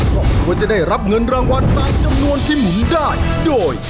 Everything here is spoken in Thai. ครอบครัวจะได้รับเงินรางวัลตามจำนวนที่หมุนได้โดย